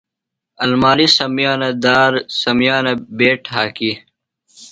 آلماریۡ سمیانہ دار، سمیانہ بیٹ ہاکی